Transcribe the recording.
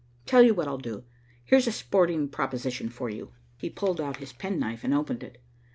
Tell you what I'll do. Here's a sporting proposition for you." He pulled out his penknife and opened it.